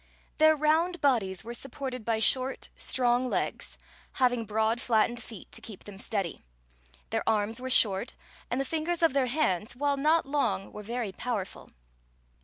Their round bodies were supported by short, strong legs having broad, flattened feet to keep them steady. Their arms were short, and the fingers of their hands, while not long, were very powerful.